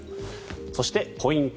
そして、ポイント